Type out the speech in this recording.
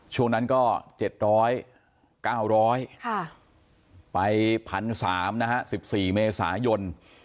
ช่วงนั้นก็๗๐๐๙๐๐ไป๑๓๐๐นะฮะ๑๔เมษายน